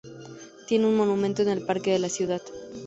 Tiene un monumento en el parque de la ciudad.